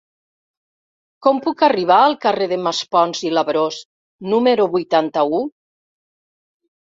Com puc arribar al carrer de Maspons i Labrós número vuitanta-u?